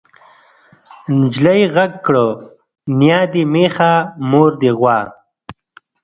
نجلۍ غږ کړ نيا دې مېښه مور دې غوا.